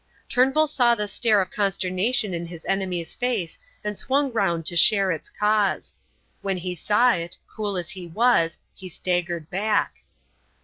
Turnbull saw the stare of consternation in his enemy's face and swung round to share its cause. When he saw it, cool as he was, he staggered back.